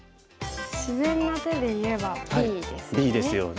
自然な手で言えばＢですよね。